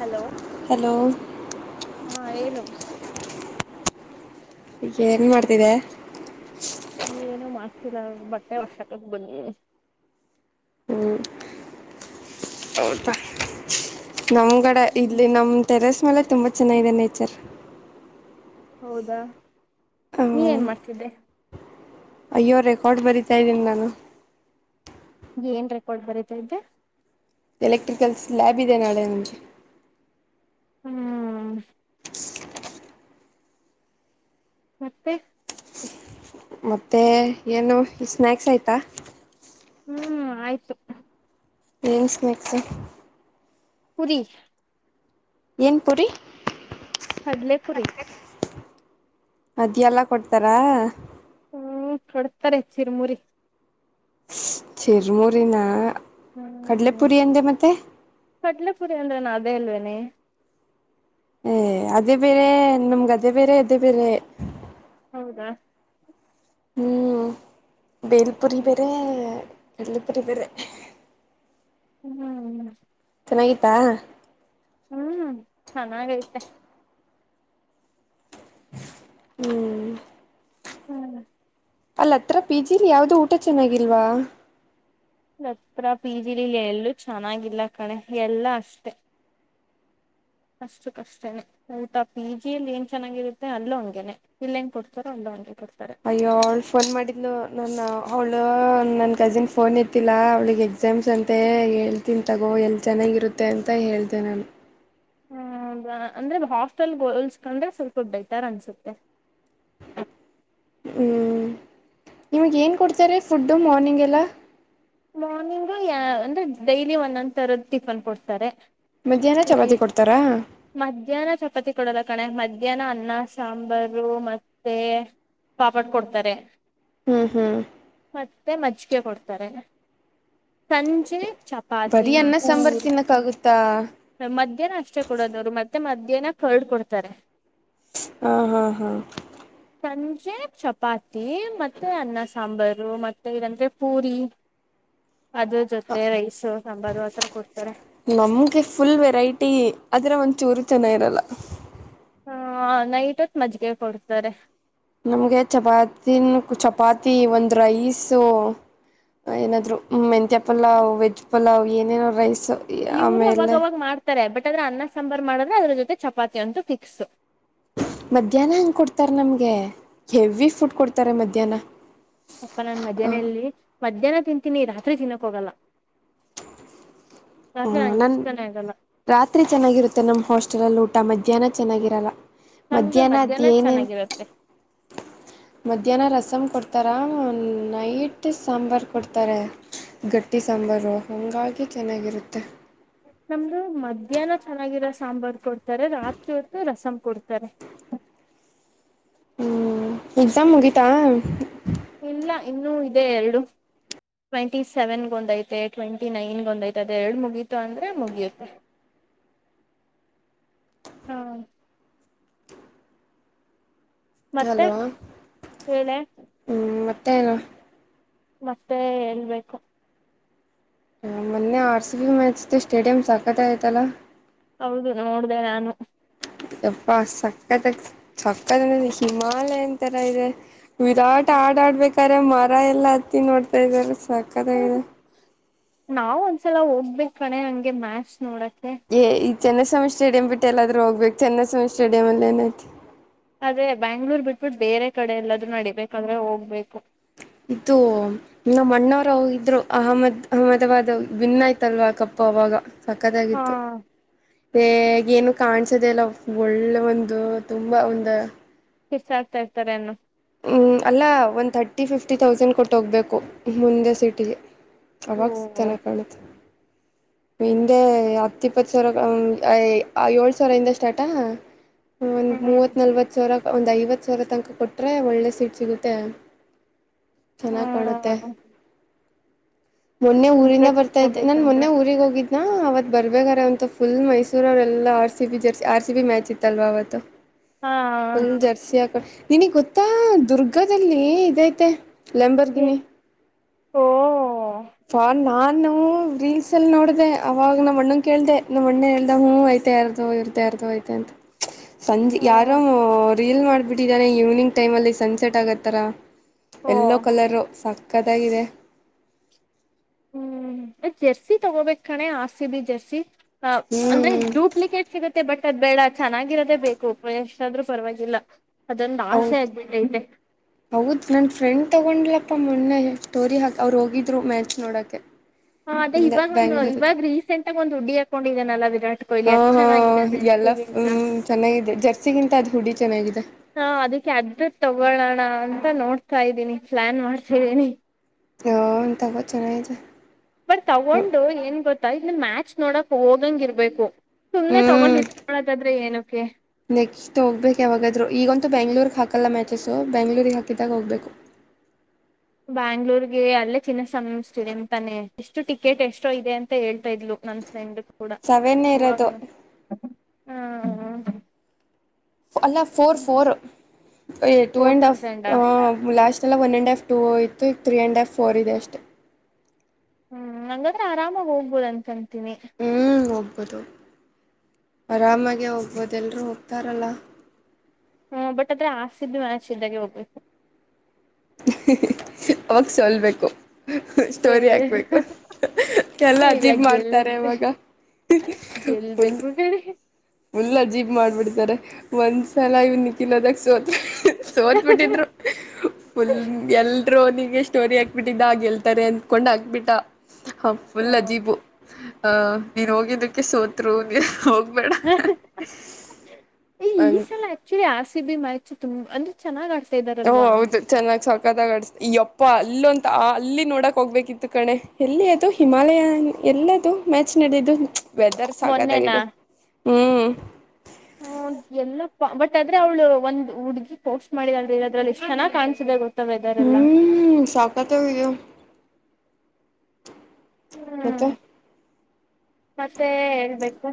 Hello hello ಹಾ ಏನು? ಈಗೇನ್ ಮಾಡ್ತಿದ್ದೆ. ಇನ್ನು ಏನೂ ಮಾಡ್ತಿಲ್ಲಾ ನೋಡು ಬಟ್ಟೆ ವಾಶಾಕಕ್ ಬಂದ್ನಿ. ಅವ್ಳ್ ಪ ನಮ್ಗಡೆ ಹ್ಮ್ ಇಲ್ಲಿ ನಮ್ ಟೆರೆಸ್ ಮೇಲೆ ತುಂಬಾ ಚೆನ್ನಾಗಿದೆ ನೇಚರ್. ಹೌದಾ ನೀ ಹ್ಮ್ ಏನ್ ಮಾಡ್ ತ್ತಿದ್ದೆ. ಅಯ್ಯೋ ರೆಕಾರ್ಡ್ ಬರೀತಾ ಇದಿನಿ ನಾನು ಏನ್ ರೆಕಾರ್ಡ್ ಬರೀತಾ ಇದ್ದೆ. ಎಲೆಕ್ಟ್ರಿಕಲ್ಸ್ ಲ್ಯಾಬ್ ಇದೆ ನಾಳೆ ನಮ್ಗೆ. ಹ್ಮ್ ಮತ್ತೆ ಮತ್ತೆ ಏನು ಈ ಸ್ನ್ಯಾಕ್ಸ್ ಆಯ್ತಾ? ಹೂ ಆಯ್ತು ಏನ್ ಸ್ನಾಕ್ಸು. ಪುರಿ ಏನ್ ಪುರಿ? ಕಡ್ಲೆ ಪುರಿ. ಮದ್ಯಲ್ಲಾ ಕೊಡ್ತಾರಾ? ಹ್ಮ್ ಕೊಡ್ತಾರೆ ಚಿರ್ಮುರಿ. ಚುರ್ಮುರಿನ ಹ್ಮ್ ಕಡ್ಲೆಪುರಿ ಅಂದೆ ಮತ್ತೆ ರಿ ಅಂದ್ರೆನ್ ಅದೇ ಅಲ್ವೇನೆ. ಏ ಅದೇ ಬೇರೆ ನಮ್ಗ್ ಅದೇ ಬೇರೆ ಇದೇ ಬೇರೆ. ಹೌದ ಹ್ಮ್ ಬೇಲ್ಪುರಿ ಹ್ಮ್ ಬೇರೇ ಕಡ್ಲೆಪುರಿ ಬೇರೆ ಹ್ ಹ್ಮ್ ಹ್ ಚೆನ್ನಾಗಿತ್ತಾ? ಹ್ಮ್ ಚೆನ್ನಾಗೈತೆ. ಹ್ಮ್ ಹ್ಮ್ ಅಲ್ ಹತ್ರ ಪಿ ಜಿಲಿ ಯಾವ್ದೂ ಊಟ ಚೆನ್ನಾಗಿಲ್ವಾ? ಇಲ್ ಹತ್ರ ಪಿ ಜಿಲಿಲಿ ಎಲ್ಲೂ ಚೆನ್ನಾಗಿಲ್ಲಾ ಕಣೆ ಎಲ್ಲಾ ಅಷ್ಟೆ. ಅಷ್ಟು ಕಷ್ಟೇನೆ ಊಟಾ ಪಿ ಜಿಲೀ ಏನ್ ಚೆನ್ನಾಗಿರುತ್ತೆ ಅಲ್ಲು ಹಂಗೆನೆ ಇಲ್ಲೆ ಹೆಂಗ್ ಕೊಡ್ತಾರೋ ಅಲ್ಲು ಹಂಗೆ ಕೊಡ್ ಅಯ್ಯೋ ಅವ್ಳ ಫೋನ್ ಮಾಡಿದ್ಲು ನನ್ನಾ ಅವಳು ನನ್ ಕಝಿನ್ ಫೋನ್ ಎತ್ತಿಲ್ಲಾ ಅವಳಿಗೆ ಎಕ್ಸಾಮ್ಸ್ ಅಂತೆ ಹೇಳ್ತೀನಿ ತಗೋ ಎಲ್ಲಿ ಚೆನ್ನಾಗಿರುತ್ತೆ ಅಂತ ಹೇಳ್ದೆ ನಾನು. ಹೌದಾ ಅಂದ್ರೆ ಹಾಸ್ಟೆಲ್ಗ್ ಹೋಲ್ಸ್ಕೊಂಡ್ರೆ ಸ್ವಲ್ಪ ಬೇಟರ್ ಅನ್ಸುತ್ತೆ. ಹ್ಮ್ ನಿಮ್ಗ್ ಏನ್ ಕೊಡ್ತಾರೆ ಫುಡ್ಡು ಮಾರ್ನಿಂಗೆಲ್ಲ? ಮಾರ್ನಿಂಗು ಯಾ ಅಂದ್ರೆ ಡೈಲಿ ಒಂದೊಂದ್ ತರದ್ ಟಿಫನ್ ಕೊಡ್ತಾರೆ. ಮಧ್ಯಾಹ್ನ ಈ ಚಪಾತಿ ಕೊಡ್ತಾರಾ ಮಧ್ಯಾಹ್ನ ಚಪಾತಿ ಕೊಡಲ್ಲ. ಕಣೆ ಮಧ್ಯಾಹ್ನ ಅನ್ನಾ ಸಾಂಬಾರು ಮತ್ತೆ ಪಾಪಡ್ ಕೊಡ್ತಾರೆ. ಹ್ಮ್ ಹ್ಮ್ ಮತ್ತೆ ಮಜ್ಜಿಗೆ ಕೊಡ್ತಾರೆ. ಸಂಜೆ ಚಪಾತಿ ಬರೀ ಅನ್ನ ಸಾಂಬಾರ್ ಪೂರಿ ತಿನ್ನಕ್ಕಾಗುತ್ತಾ ಮಧ್ಯಾಹ್ನ ಅಷ್ಟೇ ಕೊಡೋದವ್ರು ಮತ್ತೆ ಮ ಏನ ಕರ್ಡ್ ಕೊಡ್ತಾರೆ. ಆ ಹಾ ಹಾ ಸಂಜೆ ಚಪಾತಿ ಮತ್ತೆ ಅನ್ನ ಸಾಂಬಾರು ಮತ್ತೆ ಇಲ್ಲಾಂದ್ರೆ ಪೂರಿ ಅದ್ರ ಹ ಜೊತೆ ರೈಸು ಸಾಂಬಾರು ಆತರ ಕೊಡ್ತಾರೆ ನಮ್ಗೆ ಫುಲ್ ವೆರೈಟಿ ಅದ್ರೆ ಒಂಚೂರು ಚೆನ್ನಾಗಿರಲ್ಲ. ಹಾ ನೈಟ್ ಹೋತ್ ಮಜ್ಗೆ ಕೊಡ್ತಾರೆ. ನಮ್ಗೆ ಚಪಾತಿನ ಚಪಾತಿ ಒಂದ್ ರೈಸ್ ಏನಾದ್ರು ಮೆಂತ್ಯ ಪಲಾವ್ ವೆಜ್ ಪಲಾವ್ ಏನೇನೋ ರೈಸ್ ಇವ್ರೆ ಆಮೇಲೆ ಅವಾಗವಾಗ್ ಮಾಡ್ತಾರೆ ಬಟ್ ಏನಾದ್ರು ಅನ್ನ ಸಾಂಬಾರಾರ್ ಮಾಡಿದ್ರೆ ಅದ್ರು ಜೊತೆ ಚಪಾತಿ ಅಂತೂ ಫಿಕ್ಸ್. ಮಧ್ಯಾಹ್ನ ಹೆಂಗ್ ಕೊಡ್ತಾರೆ ನಮ್ಗೆ ಹೆವಿ ಫುಡ್ ಕೊಡ್ತಾರೆ ಮಧ್ಯಾಹ್ನ. ಅಪ್ಪಾ ನನ್ ಮದ್ಯಾಹ್ನ ಇಲ್ಲಿ ಮಧ್ಯಾಹ್ನ ತಿಂತೀನಿ ರಾತ್ರಿ ತಿನ್ನಕ್ ಹೋಗಲ್ಲ. ಓ ರಾತ್ರಿ ನಂಗೆ ನಮ್ ಇಷ್ಟನೇ ಆಗಲ್ಲ ರಾತ್ರಿ ಚೆನ್ನಾಗಿರುತ್ತೆ ನಮ್ ಹಾಸ್ಟೆಲಲ್ ಊ ಟ ಮಧ್ಯಾಹ್ನ ಚೆನ್ನಾಗಿರಲ್ಲ. ನಮ್ದು ಮಧ್ಯಾಹ್ನ ಅದ್ಯೇನೆನ್ ಚೆನ್ನಾಗಿರತ್ತೆ ಮಧ್ಯಾಹ್ನ ರಸಂ ಕೊಡ್ ತರನ್ ನೈಟು ಸಾಂಬಾರ್ ಕೊಡ್ತಾರೆ ಗಟ್ಟಿ ಸಾಂಬಾರು ಹಂಗಾಗಿ ಚೆನ್ನಾಗಿರು ತ್ತೆ. ನಮ್ದು ಮಧ್ಯಾಹ್ನ ಚೆನ್ನಾಗಿರೊ ಸಾಂಬಾರ್ ಕೊಡ್ ತರೆ ರಾತ್ರಿ ಹೊತ್ತು ರಸಂ ಕೊಡ್ತಾರೆ. ಹ್ಮ್ ಎಕ್ಸಾಮ್ ಮುಗೀತಾ? ಇಲ್ಲ ಇನ್ನೂ ಇದೆ ಎರಡು, ಟ್ವೆಂಟಿ ಸೆವೆನ್ಗೊಂದ್ ಐತೆ ಟ್ವೆಂಟಿ ನೈನ್ಗೊಂದ್ ಐತೆ ಅದ್ ಎರಡ್ ಮುಗಿತು ಅಂದ್ರೆ ಮುಗಿಯುತ್ತೆ, ಹಾ. ಮತ್ತೆ, ಹಲೋ ಹೇಳೆ. ತ್ತೇನು? ಮತ್ತೇ ಹೇಳ್ಬೇಕು. ಆ ಮೊನ್ನೆ ಆರ್ ಸಿ ಬಿ ಮ್ಯಾಚ್ದು ಸ್ಟೇಡಿಯಂ ಸಕತ್ ಆಗ್ ಅಯ್ತಲ್ಲಾ? ಹೌದು ನೋಡ್ದೆ ನಾನು. ಯಪ್ಪಾ ಸಕ್ಕತ್ತಾಗ್ ಸಕ್ಕತ್ತಾಗಿದೆ ಹಿಮಾಲಯನ್ ತರ ಇದೆ. ವಿರಾಟ್ ಹಾಡ್ ಆಡ್ಬೇಕ್ ಕರೆ ಮರ ಎಲ್ಲಾ ಹತ್ತಿ ನೋಡ್ತಾ ಇದಾರೆ. ಸಕ್ಕತ್ತಾಗಿದೆ. ನಾವು ಒಂದ್ಸಲ ಹೋಗ್ಬೇಕ್ ಕಣೆ ಹಂಗೆ ಮ್ಯಾಚ್ ನೋಡಕ್ [unintelligible] ಚನ್ನಸ್ವಾಮಿ ಸ್ಟೇಡಿಯಂ ಬಿಟ್ ಎಲ್ಲಾದ್ರೂ ಹೋಗ್ಬೇಕ್ ಚನ್ನಸ್ವಾಮಿ ಸ್ಟೇಡಿಯಂ ಅಲ್ ಏನೈತಿ? ಅದೇ ಬ್ಯಾಂಗ್ಳೂರ್ ಬಿಟ್ಬುಟ್ ಬೇರೆ ಕಡೆ ಎಲ್ಲಾದ್ರೂ ನಡಿಬೇಕಾದ್ರೆ ಹೋಗ್ಬೇಕು. ಇದು ನಮ್ ಅಣ್ಣಾವ್ರ್ ಹೋಗಿದ್ರು ಅಹಮದ್ ಅಹಮದಾಬಾದ್ [unintelligible] ವಿನ್ ಆಯ್ತಲ್ವಾ ಕಪ್ ಅವಾಗ. ಹಾ ಸಕ್ಕತ್ತಾಗಿತ್ತು, ಏ ಏನು ಕಾಣ್ಸದೆಲ್ಲ ಒಳ್ಳೆ ಒಂದು ತುಂಬಾ ಒಂದು ಹಿಸ್ ಆಗ್ತಾ ಇರ್ತಾರೆ ನ್ನು ಹ್ಮ ಅಲ್ಲ ಒಂದು ಥರ್ಟಿ ಫಿಫ್ಟಿ ಥೌಸಂಡ್ ಕೊಟ್ಟು ಹೋಗ್ಬೇಕು ಮುಂದೆ ಸೀಟಿಗೆ ಹ್ಮ ಅವವಾಗಸ್ತನ ಕಾಣುತ್ತ ಹಿಂದೆ ಹತ್ತ ಇಪ್ಪತ್ತು ಸಾವಿರ ಹ್ಮ್ ಐ ಏಳು ಸಾವಿರ ಹಿಂದ ಸ್ಟಾರ್ಟಾ ಒ್ ಹ್ಮ್ ಮೂವತ್ ನಲ್ವತ್ ಸಾವಿರ ಒಂದು ಐವತ್ತು ಸರ ತನಕ ಕೊಟ್ಟರೆೆ ಒಳ್ಳೆ ಸೀಟ್ ಸಿಗುತ್ತೆ ಹ ಚೆನ್ನಾಗಿ ಕಾಣುತ್ತೆ ಮೊನ್ನೆ ಮುಂದೆ ಊರಿಂದ ಬರ್ತಾ ಇದ್ದೆ ನನ್ ಕುತ್ಕೋಬೇಕಂದ್ರೆ ಮೊನ್ನೆ ಊ ನಾ ಅವತ್ ಬರ್ಬೇಕಾರೆ ಅಂತ ಫುಲ್ ಮೈಸೂರ ಅವರೆ ಎಲ್ಲ R C B jersey R C B match ಇತ್ತಲ್ವ ಅವತ್ತು ಹಾ ಹ ಜರ್ಸಿಯಕ ನಿನಗ್ ಗೊತ್ತಾ ದುರ್ಗಾದದಲ್ಲಿ ಇದೈತೆ ಲಂಂಬರ್ಗೆನ್ನಿ ಓ ಫನ್ ನಾ ನೋ ವೀಲ್ ಲ್ಲಿ ನೋಡ್ದೆ ಅವಾಗ ನಮ್ಮ್ ಅಣ್ಣನ್ ಕೇಳ್ದೆ ನಮ್ಮ ಅಣ್ಣೆ ಹೇಳ್ದ ಹ್ಮ್ ಐತೆ ಯಾರ್ದೋ ಇವರ್ದ್ ಯಾರ್ದೋ ಐತೆ ಅಂತ ಚ್ ಸಂಜೆ ಓ ಯಾರೋ ರೀಲ್ ಮಾಡ್ಬಿಟ್ಟಿದಾರೆ ಈವ್ನಿಂಗ್ ಟೈಮ್ ಅಲ್ಲಿ ಸನ್ಸೆಟ್ ಆಗತ್ತಾರ ಓ ಎಲ್ಲೋ ಕಲರ್ ಸಾಕ್ತ ಕಥಾಗಿದೆ ಹ್ಮ್ ಜರ್ಸಿ ತಗೋಬೇಕ ಕಣೆ ಆಸಿ ಬಿ ಜರ್ಸಿ ಹ ಅಂದ್ರೆ ಹ್ಮ್ ಡೂಪ್ಲಿಕೇಟ್ ಸಿಗುತ್ತೆ ಮತ್ತೆ ಬಟ್ ಅದ್ ಬೇಡ ಚೆನ್ನಾಗಿರೋದೇ ಬೇಕು ಎಷ್ಟಾದ್ರೂ ಪರವಾಗಿಲ್ಲ ಅದೊಂದು ಆಸೆ ಹೌದ್ ಆಗ್ಬಿಟ್ಟೈತೆ ಹೌದ್ ನನ್ ಫ್ರೆಂಡ್ ತಗೊಂಡ್ಲ ಪಪ ಮೊನ್ನೆ ಸ್ಟೋರಿ ಹಾಕ ಅವ್ರು ಹೋಗಿದ್ರು ಮ್ಯಾಚ್ ನೋಡಕೆ ಹಾ ಅದೇ ಇವಾಗ ಒಂದು ಇವಾಗ ರೀಸೆಂಟ್ ಆಗ ಒಂದ್ ಹುಡಿಿಯ ಆತ ೊಂಡಲ್ಲ ಹಾ ಹಾ ಎಲ್ಲ ಹ್ಮ್ ಚೆನ್ನಾಗಿದೆ ಜರ್ಸಿಗಿಂತ ಅದು್ ಹುಡಿ ಚೆನ್ನಾಗಿದೆ ತಗಳೋಣ ಅಂತ ನೋಡ್ತಾ ಇದ್ದೀನಿ ಪ್ಲಾನ್ ಮಾಡ್ತಿದ್ದೀನಿ ಹ ಇಂತಪ್ಪ ಚೆನ್ನತೆ ಬಟ್ ತಗೊಂಡು ಏನ್ ಗೊತ್ತಾ ಇಲ್ಲಿ ಮ್ಯಾ ನೋಡಕ್ ಹೋದಂಗ್ ಇರ್ಬೇಕು ಸುಮ್ನೆ ತಗೊಂಡ್ ಹ್ಮ್ ಇಟ್ಕೊಳದಾದ್ರೆ ಏನು ಓಕೆ ನೆಕ್ಸ್ಟ್ ಹೋಗ್ಬೇಕು ಯಾವಾಗಾದ್ರೂ ಈಗಂತೂ ಬ್ಯಾಂಗಲೋರ್ ಹಾಕಲ್ಲ ಮ್ಯಾಚಸ್ಸು ಬ್ಯಾಂಗಲೋರ್ ಹಾಕಿದಾಗ ಹೋಗ್ಬೇಕು ಬ್ಯಾಂಗ್ಳೂರ್ಗೆ ಅಲ್ಲೇ ಚಿನ್ನ ಸಿಸ್ತಿದೆ ಅಂತಾನೆ ಎಷ್ಟು ಟಿಕೆಟ್ ಎಷ್ಟೋ ಇದೆ ಅಂತ ಹೇಳ್ತಾ ಇದ್ಲು ನನ್ ಫ್ರೆಂಡ್ ಕೂಡ ಸವೆನೇ ಇರದು ಹ್ಮ ಹ್ಮ ಹ ಅಲ್ಲ ಫೋರ್ ಫೋರ್, ಅಯ್ ಟು ಫೋರ್ ಅಂಡ್ ಹಾಫ್ ತೌಸಂಡಾ ಆ ಲಾಸ್ಟ್ ಸಲ ವನ್ ಅಂಡ್ ಹಾಫ್ ಟೂ ಇತ್ತು ಈಗ್ ತ್ರೀ ಅಂಡ್ ಹಾಫ್ ಫೋರ್ ಇದೆ ಅಷ್ಟೇ. ಹ್ಮ್ ಹಂಗಾದ್ರೆ ಆರಾಮಾಗ್ ಹೋಗ್ಬೋದ್ ಅನ್ಕ ಹ್ಮ್ ಹೋಗ್ಬೋದು. ಆರಾಮಾಗೆ ಹೋಗ್ಬೋದ್ ಎಲ್ರೂ ಹೋಗ್ತಾರಲ್ಲ. ಹ್ಮ ಬಟ್ ಆದ್ರೆ ಆರ್ಸಿಬಿ ಮ್ಯಾಚ್ ಇದ್ದಾಗೆ ಹೋಗ್ಬೇಕು. [unintelligible] ಅವಾಗ್ ಸೋಲ್ಬೇಕು. [unintelligible] ಸ್ಟೋರಿ ಹಾಕ್ಬೇಕು [unintelligible] ಎಲ್ಲ ಇಲ್ಲ ಅಜೀಬ್ ಮಾಡ್ತಾರೆ ಗೆಲ್ಬೆ ಇವಾಗ, ಫುಲ್ ಗೆಲ್ಬೇಕು ಕಣೆ ಫುಲ್ ಅಜೀಬ್ ಮಾಡ್ಬಿಡ್ತಾರೆ ಒಂದ್ಸಲ ಇವ್ನ್ [unintelligible] ಸೋತ್ ಸೋತ್ ಬಿಟ್ಟಿದ್ರು ಫುಲ್ ಎಲ್ರೂ ಅವ್ನಿಗ್ ಹಿಂಗೆ ಸ್ಟೋರಿ ಹಾಕ್ಬಿಟ್ಟಿದ್ದ ಗೆಲ್ತಾರೆ ಅನ್ಕೊಂಡ್ ಹಾಕ್ಬಿಟ್ಟ. ಅವ್ನ್ ಫುಲ್ ಅಜೀಬು. ಹಾ ನೀನ್ ಹೋಗಿದ್ದಕ್ಕೆ ಸೋತ್ರು [unintelligible] ಹೋಗ್ [unintelligible] ಏ ಈ ಹಂಗೆ ಸಲ ಆಕ್ಚುಲಿ ಆರ್ಸಿಬಿ ಮ್ಯಾಚ್ ಚೆ ತುಂಬ್ ಅಂದ್ರೆ ಚೆನ್ನಾಗಿ ಆಡ್ ಓ ಹೌದು ಚೆನ್ನಾಗ್ ಸಾಕ್ ಸಕ್ಕತ್ತಾಗ್ ಆಡ್ಸ್ದೆ ಯಪ್ಪಾ ಅಲ್ ಅಂತೂ ಆ ಅಲ್ಲಿ ನೋಡಕ್ ಹೋಗ್ಬೇಕಿತ್ತು ಕಣೆ, ಎಲ್ಲಿ ಅದು ಹಿಮಾಲಯ ಎಲ್ಲದು ಮ್ಯಾಚ್ ನಡ್ದಿದ್ದು? ವೆದರ್ ಮೊನ್ನೆನಾ ಸಕ್ಕತಾಗಿದೆ, ಹ್ಮು. ಹ್ಮ ಎಲ್ಲಪ್ಪಾ ಬಟ್ ಆದ್ರೆ ಅವ್ಳು ಒಂದ್ ಹುಡ್ಗಿ ಪೋಸ್ಟ್ ಮಾಡಿದಾಳ್ರಿ ಅದ್ರಲ್ಲಿ ಏಷ್ಟ್ ಚನ್ನಾಗ್ ಕಾಣ್ಸಿದೆ ಗೋ ಹ್ಮ್ ಸಕ್ಕತ್ತಾಗಿದೆ. ಹ್ಮ್ ಮತ್ತೆ ಮತ್ತೆ ಹೇಳ್ಬೇಕು.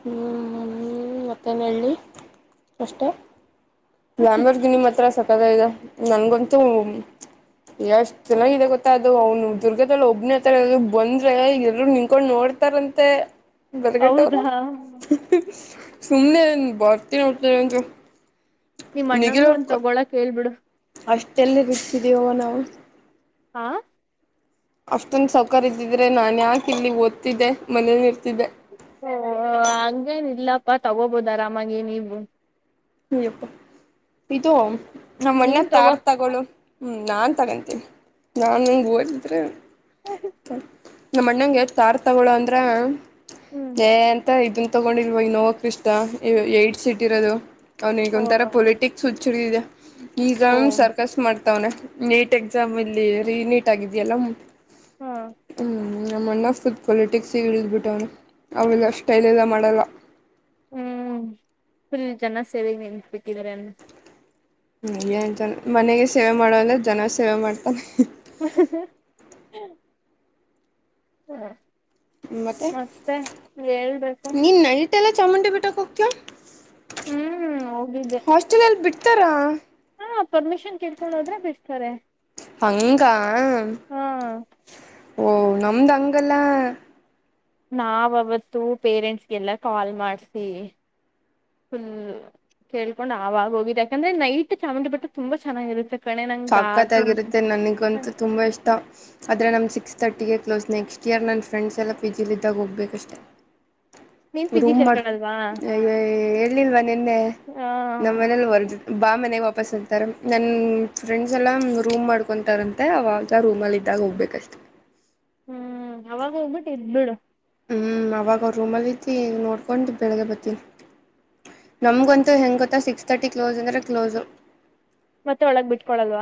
ಹ್ಮ್ ಹ್ಮ್ ಮತ್ತೇನ್ ಹೇಳ್ಲಿ ಅಷ್ಟೆ. [unintelligible] ನಿಮ್ ಹತ್ರ ಸ ದ ಈಗ ನನ್ಗಂತೂ ಎಷ್ಟ್ ಚೆನ್ನಾಗಾಗಿದೆ ಗೊತ್ತಾ ಅದು ಅವನು ದುರ್ಗದಲ್ ಒಬ್ನೇತರ ಬಂದ್ರೆ ಎಲ್ರು ನಿನ್ಕೊಂಡ್ ನೋಡ್ತಾರಂತೆ. ಹೌದಾ ಬರ್ಗೆಟ್ಟವ್ರ. ಸುಮ್ನೆ ಹಿಂಗ್ ಬರ್ತೀವ್ ಅಂತ್ ಹೇಳ್ದೇ ನಿಮ್ ಅಣ್ಣಂಗು ಒಂದ್ ತಗೊಳಕ್ ಹೇಳ್ಬಿಡು. ಅಷ್ಟೆಲ್ಲ [unintelligible] ದೀವ ನಾವು ಆ ಅಷ್ಟೊಂದ್ ಸೌಕಾರ ಇದಿದ್ರೆ ನಾನ್ಯಾಕ್ ಇಲ್ಲಿ ಓದ್ತಿದ್ದೆ ಮನಲಿರ್ ಓ ಹಂಗೇನಿಲ್ಲ ಪ ತಗೋಬೋದ್ ಆರಾಮಾಗಿ ನೀವು. ಹ್ ಯಪ್ಪ ಇದು ನಮ್ಮ ಅಣ್ಣ ನೀನ್ ತಗೋ ತಾರ್ ತಗೋಳು ಹ್ಮ್ ನಾನ್ ತಗಂತೀನೀ ನಾನ್ ಇಲ್ ಓದಿದ್ರೆ ತನ್ ನಮ್ಮ ಅಣ್ಣಂಗೆ ತಾರ್ ತಗೋಳೋ ಅಂದ್ರೆ ಹ್ಮ್. ಏಯ್ ಅಂತ ಇದು ತಗೊಂಡಿಲ್ವಾ ಇನೋವಾ ಕ್ರಿಸ್ಟಾ ಏ ಏಟ್ ಸೀಟ್ ಇರೋದು. ಅವ್ನಿಗ್ ಹೋ ಒಂಥರ ಪೊಲಿಟಿಕ್ಸ್ ಹುಚ್ ಚಳಿ ಇದೆ. ಓ ಈಗನು ಸರ್ಕಸ್ ಮಾಡ್ ತವ್ನೆ ನೀಟ್ ಎಕ್ಸಾಮ್ ಇಲ್ಲಿ ರಿನೀಟ್ ಆಗಿದ್ಯಲ್ಲ. ಹಾ ಉಮ್ ನಮ್ಮ ಅಣ್ಣ ಫುಡ್ ಪೊಲಿಟಿಕ್ಸಿಗೆ ಇಳಿದ್ ಬಿಟ್ಟವ್ನೆ ಅವೆಲ್ಲ ಸ್ಟೈಲೆಲ್ಲ ಮಾಡೋಲ್ಲ. ಹ್ಮ್ ಫುಲ್ ಜನ ಸೇವೆಗ್ ನಿಂತ್ ಬಿಟ್ಟಿದ್ದಾರೆ ಅನ್ನು ಹ್ಮ್ ಏನ್ ಜನ ಮನೆಗೆ ಸೇವೆ ಮಾಡಲ್ಲ ಜನ ಸೇವೆ ಮಾಡ್ತಾನೆ ಹ್ ಅಹ್ ಹ್ ಹ್ಹ್ ಹ್ಮ ಮತ್ತೆ ಹೇಳ್ಬೇಕು. ಲ್ಲ ಚಾಮುಂಡಿ ಬೆಟ್ಟಕ್ ಹೋಗ್ತೀಯಾ. ಹ್ಮ್ ಹೋಗಿದ್ದೆ ತಾರಾ. ಹಾ ಪರ್ಮಿಷನ್ ಕೆಳ್ಕೊಂಡು ಹೋದ್ರೆ ಬಿಡ್ತಾರೆ ಹಂಗಾ. ಹಾ. ಓಹ ನಮ್ದ ಹಂಗಲ್ಲಾ. ನಾವವತ್ತು ಪೇರೆಂಟ್ಸ್ಗೆಲ್ಲ ಕಾಲ್ ಮಾಡ್ಸಿ ಫುಲ್ ಕೇಳ್ಕೊಂಡ್ ಆವಾಗ ಹೋಗಿದೆ ಯಾಕಂದ್ರೆ ನೈಟ್ ಚಾಮುಂಡಿ ಬೆಟ್ಟ ತುಂಬಾ ಚೆನ್ನಾಗಿರುತ್ತೆ. ಕಣೆ ನಂಗ ಸಕ್ಕತ್ ತು ಆಗಿರುತೆ ನನಗಂತೂ ತುಂಬಾ ಇಷ್ಟ ಆದ್ರೆ ನಮ್ ಸಿಕ್ಸ್ ತರ್ಟಿಗೆ ಕ್ಲೋಸ್ ನೆಕ್ಸ್ಟ್ ಇಯರ್ ನನ್ನ ಫ್ರೆಂಡ್ಸ್ ಎಲ್ಲ ಪಿ ಜಿಲಿದ್ದಾಗ ಹೋಗ್ಬೇಕಷ್ಟೆ ನೀನ್ ಪಿ ಜಿ ರೂಮ್ ಮಾಡ ಸೇರ್ಕಳಲ್ವಾ ಹೇಳಿಲ್ವಾ ನಿನ್ನೆ ಹ ನಮ್ಮ ಮನೇೆಯಲ್ಲಿ ವರ್ದ ಬಾ ಮನೆಗೆ ವಾಪಸ್ ಇರ್ತಾರೆ ನನ್ನ ಫ್ರೆಂಡ್ಸ್ ಎಲ್ಲಾ ರೂಮ್ ಮಾಡ್ಕೊತಾರಂತೆ ಅವಾಗ ರೂಮಲ್ಲಿ ಇದ್ದಾಗ ಹೋಗ್ಬೇಕಷ್ಟೆ ಹ್ಮ್ ಅವಾಗ ಹೋಗ್ಬಿಟ್ಟು ಇದ್ಬಿಡು. ಹ್ಞೂ ಅವಾಗ ಅವ್ರ ರೂಮಲ್ಲಿ ಇದ್ದಿ ನೋಡ್ಕೊಂಡು ಬೆಳಗ್ಗೆ ಬರ್ತೀನಿ ನಮ್ಗಂತೂ ಹೆಂಗೆ ಗೊತ್ತಾ ಸಿಕ್ಸ್ ತರ್ಟಿ ಕ್ಲೋಸ್ ಅಂದರೆ ಕ್ಲೋಸು ಮತ್ತೆ ಒಳಗ್ ಬಿಟ್ಕೊಳಲ್ವಾ.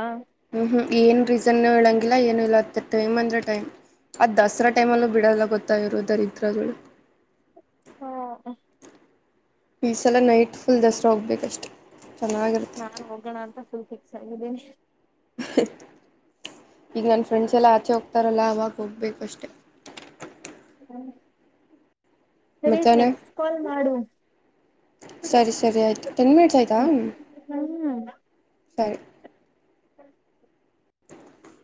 ಹ್ಮ ಏನ್ ರೀಸನ್ ಹೇಳಂಗಿಲ್ಲ ಏನು ಇಲ್ಲಾ ಅತ್ತ ಟೈಮ್ ಅಂದ್ರೆ ಟೈಮ್ ಅದು ದಸರಾ ಟೈಮಲ್ಲೂ ಬಿಡೋಲ್ಲ ಗೊತ್ತ ಇವರು ದರಿದ್ರಗೋಳು ಓ. ಈ ಸಲ ನೈಟ್ ಫುಲ್ ದಸರಾ ಹೋಗ್ಬೇಕಷ್ಟೆ. ಚೆನ್ನಾಗಿರುತ್ತೆ ನಾನ್ ಹೋಗೋಣ ಅಂತ ಅನ್ಕೊಂಡ ಇದೀನಿ. ಸಂದೇಶ. ಈಗ ನನ್ನ ಫ್ರೆಂಡ್ಸ್ ಎಲ್ಲಾ ಆಚೆ ಹೋಗ್ತಾರಲ್ಲ ಅವಾಗ ಹೋಗ್ಬೇಕಷ್ಟೆ [unintelligible] ಸರಿ ಈಗ ಮಧ್ಯಾಹ್ನ ನೆಕ್ಸ್ಟ್ ಕಾಲ್ ಮಾಡು ಸರಿ ಸರಿ ಆಯಿತು ಟೆನ್ ಮಿನಿಟ್ಸ್ ಆಯಿತಾ ಹ್ಮ ಬೈ [unintelligible] [inaudible]